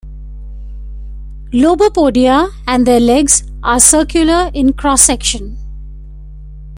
Lobopodia and their legs are circular in cross-section.